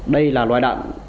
đây là loại đạn